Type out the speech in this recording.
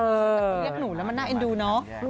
เรียกหนูแล้วมันหน้าเอ็นดูเนอะ